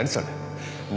何？